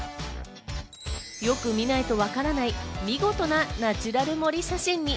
よく見ないとわからない、見事なナチュラル盛り写真に。